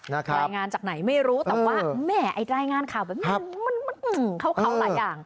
รายงานจากไหนไม่รู้แต่ว่าแม่ไอ้รายงานข่าวแบบนี้มันเข้าหลายอย่าง